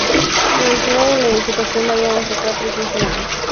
La altura de la edificación varía entre cuatro y quince metros.